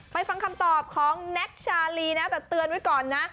ฟังคำตอบของแน็กชาลีนะแต่เตือนไว้ก่อนนะ